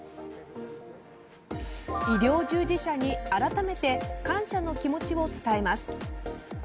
医療従事者に改めて感謝の気持ちを伝えます。